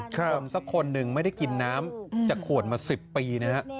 คนสักคนหนึ่งไม่ได้กินน้ำจากขวดมา๑๐ปีนะฮะ